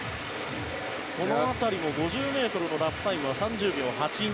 この辺り５０ｍのラップタイムは３０秒８２。